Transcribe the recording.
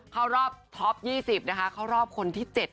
เข้ารอบท็อปยี่สิบนะคะเข้ารอบคนที่เจ็ดค่ะ